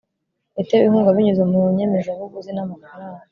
yatewe inkunga binyuze mu nyemezabuguzi namafaranga